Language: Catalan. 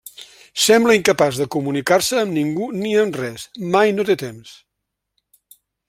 Sembla incapaç de comunicar-se amb ningú ni amb res: mai no té temps.